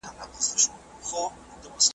لاره نه را معلومیږي سرګردان یم ,